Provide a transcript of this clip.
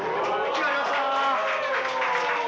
決まりました！